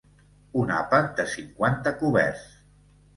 Un àpat de cinquanta coberts.